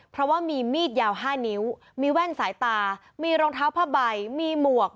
เพราะว่ามีมีดยาว๕นิ้วมีแว่นสายตามีรองเท้าผ้าใบมีหมวก